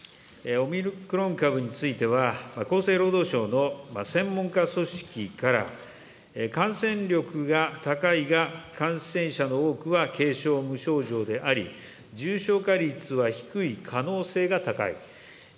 オミクロン株については、厚生労働省の専門家組織から、感染力が高いが、感染者の多くは軽症、無症状であり、重症化率は低い可能性が高い。